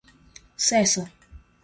Cessa